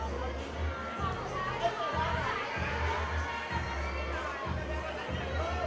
คิดใจ